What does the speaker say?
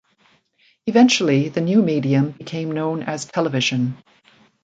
Eventually, the new medium became known as television.